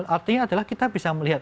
artinya adalah kita bisa melihat